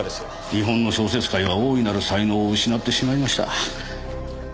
日本の小説界は大いなる才能を失ってしまいました。